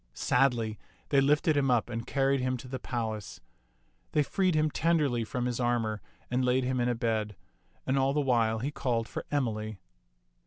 Sadly they lifted him up and carried him to the palace. They freed him tenderly from his armor and laid him in a bed; and all the while he called for Emily.